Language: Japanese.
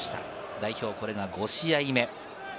代表、これが５試合目。